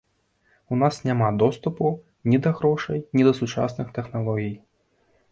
У нас няма доступу ні да грошай, ні да сучасных тэхналогій.